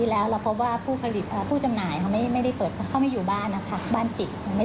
แล้วก็มีการผลิตที่นั่งหรือไม่อย่างนี้ครับ